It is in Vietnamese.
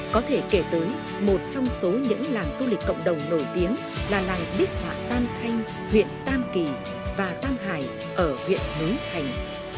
có thể kể tới một trong số những làng du lịch cộng đồng nổi tiếng là làng bích họa tam thanh huyện tam kỳ và tam hải ở huyện núi thành